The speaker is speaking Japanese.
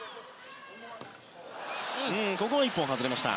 ここは１本外れました。